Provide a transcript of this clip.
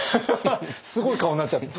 すごい顔になっちゃって。